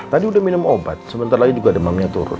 tadi udah minum obat sebentar lagi juga demamnya turun